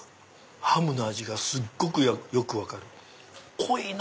ハムの味がすっごくよく分かる濃いな！